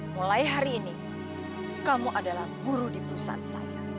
mulai hari ini kamu adalah guru di perusahaan saya